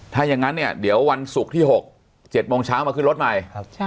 ถ้าอย่างนั้นเนี่ยเดี๋ยววันศุกร์ที่๖๗โมงเช้ามาขึ้นรถใหม่